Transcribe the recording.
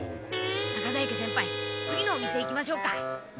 中在家先輩次のお店行きましょうか。